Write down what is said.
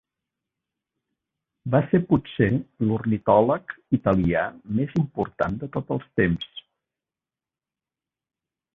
Va ser potser l'ornitòleg italià més important de tots els temps.